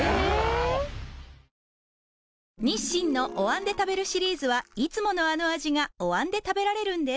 日清のお椀で食べるシリーズはいつものあの味がお椀で食べられるんです